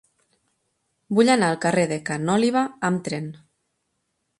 Vull anar al carrer de Ca n'Oliva amb tren.